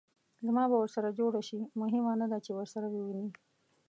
زما به ورسره جوړه شي؟ مهمه نه ده چې ورسره ووینې.